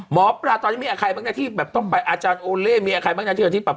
หมอปลาตอนนี้มีอาชัยบ้างนะฮิบแบบต้องไปอาจารย์โอเลมีอาคาบ้างนะฮิบ